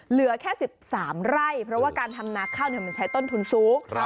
เหลือแค่๑๓ไร่เพราะว่าการทำนาข้าวมันใช้ต้นทุนสูง